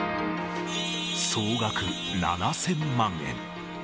総額７０００万円。